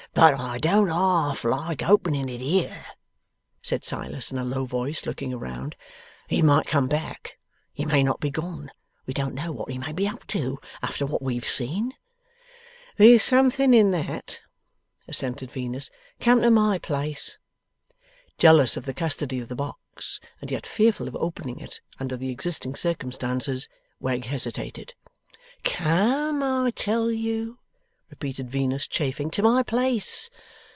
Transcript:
'But I don't half like opening it here,' said Silas in a low voice, looking around: 'he might come back, he may not be gone; we don't know what he may be up to, after what we've seen.' 'There's something in that,' assented Venus. 'Come to my place.' Jealous of the custody of the box, and yet fearful of opening it under the existing circumstances, Wegg hesitated. 'Come, I tell you,' repeated Venus, chafing, 'to my place.